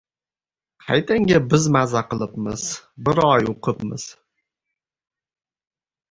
— Qaytanga biz maza qilibmiz — bir oy o‘qibmiz!